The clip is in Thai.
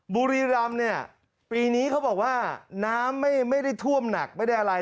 บุรีรำเนี่ยปีนี้เขาบอกว่าน้ำไม่ได้ท่วมหนักไม่ได้อะไร